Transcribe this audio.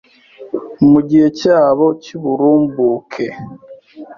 mu gihe cyabo cy'uburumbuke,